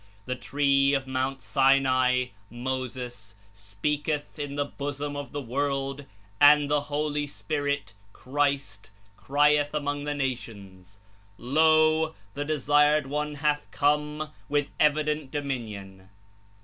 The Tree of Mount Sinai (Moses) speaketh In the bosom of the world, and the Holy Spirit (Christ) crieth among the nations : 'Lo ! The Desired One hath come with evident Dominion.'